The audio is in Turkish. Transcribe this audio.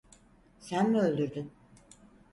Sen mi öldürdün?